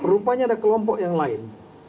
rupanya ada kelompok yang lain